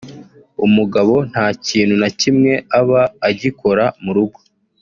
umugabo nta kintu na kimwe aba agikora mu rugo